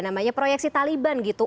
namanya proyeksi taliban gitu